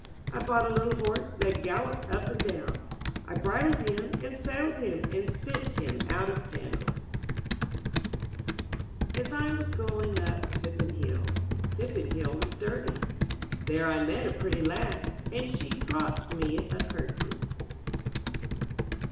I bought a little horse that galloped up and down; I bridled him and saddled him and sent him out of town. 41 MY BOOK HOUSE AS I was going up Pippin Hill, ^^ Pippin Hill was dirty; There I met a pretty lass, And she dropped me a curtsy.